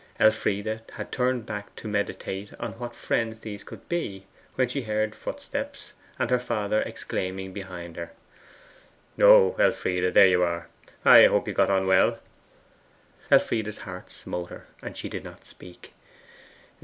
Elfride had turned back to meditate on what friends these could be, when she heard footsteps, and her father exclaiming behind her: 'O Elfride, here you are! I hope you got on well?' Elfride's heart smote her, and she did not speak.